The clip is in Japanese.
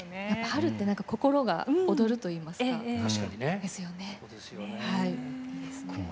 やっぱ春ってなんか心が躍るといいますか。